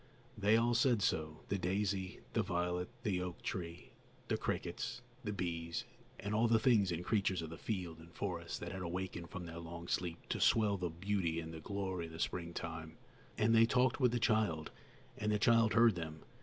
They all said so, the daisy, the violet, the oak tree, the crickets, the bees, and all the things and creatures of the field and forest that had awakened from their long sleep to swell the beauty and the glory of the springtime. And they talked with the child, and the child heard them.